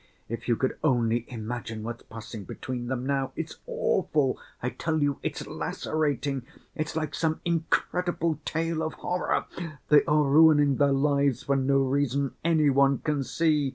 If you could only imagine what's passing between them now—it's awful, I tell you it's lacerating, it's like some incredible tale of horror. They are ruining their lives for no reason any one can see.